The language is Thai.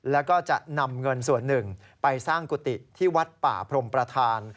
แล้วก็จะนำเงินส่วนหนึ่งไปสร้างกุฏิที่วัดป่าพรมประธาน